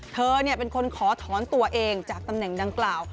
เธอเป็นคนขอถอนตัวเองจากตำแหน่งดังกล่าว